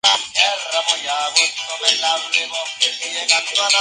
A los diez años su familia se mudó a Sudáfrica por unos años.